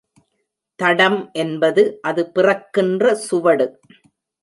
தடம் என்பது அது பிறக்கின்ற சுவடு.